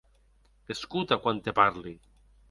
Escota quan te parli.